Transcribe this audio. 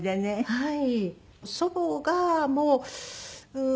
はい。